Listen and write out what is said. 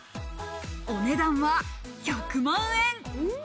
お値段は１００万円。